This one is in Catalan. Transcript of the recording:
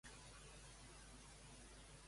Com se les mostra ell?